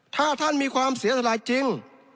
ถ้าท่านมีความเสียสลายจริง